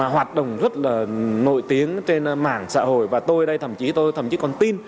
hoạt động rất là nổi tiếng trên mạng xã hội và tôi đây thậm chí tôi thậm chí còn tin